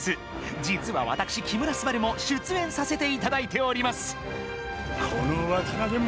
実はわたくし木村昴も出演させていただいております！